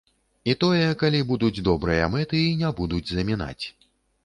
І тое, калі будуць добрыя мэты і не будуць замінаць.